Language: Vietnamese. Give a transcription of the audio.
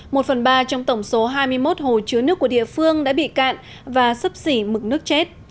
một phần ba trong tổng số hai mươi một hồ chứa nước của địa phương đã bị cạn và sấp xỉ mực nước chết